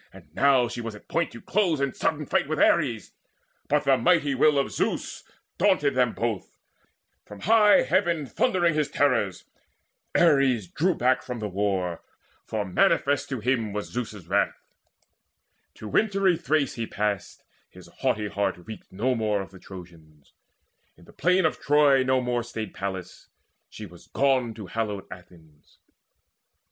And now She was at point to close in sudden fight With Ares; but the mighty will of Zeus Daunted them both, from high heaven thundering His terrors. Ares drew back from the war, For manifest to him was Zeus's wrath. To wintry Thrace he passed; his haughty heart Reeked no more of the Trojans. In the plain Of Troy no more stayed Pallas; she was gone To hallowed Athens.